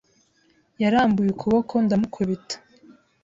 Yarambuye ukuboko ndamukubita.